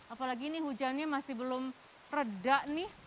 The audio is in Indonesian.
apalagi ini hujannya masih belum reda nih